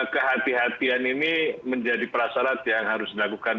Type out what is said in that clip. kehatian ini menjadi prasarat yang harus dilakukan